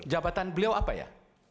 jabatan beliau apa ya